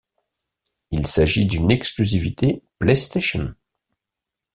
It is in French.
Il s'agit d'une exclusivité PlayStation.